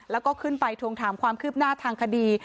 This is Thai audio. แล้วก็ขึ้นไปทวงถามความคืบหน้าทางคดี